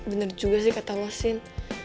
bener juga sih kata lo sin